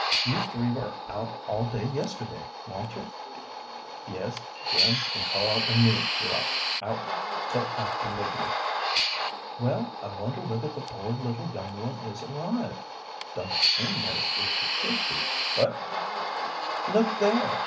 "You three were out all day yesterday, wa'n't you?" "Yes, Jim and Carl and me were out till after midnight." "Well, I wonder whether the poor little young one is alive? Don't seem as if she could be but " "Look there!